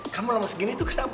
kamu lama segini itu kenapa